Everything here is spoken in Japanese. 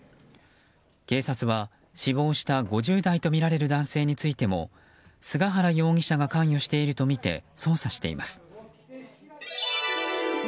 警察は死亡した５０代とみられる男性についても菅原容疑者が関与しているとみて捜査しています。